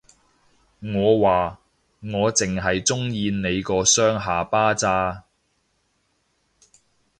我話，我剩係鍾意你個雙下巴咋